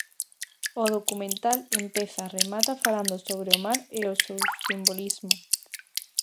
O documental empeza e remata falando sobre o mar e o seu simbolismo.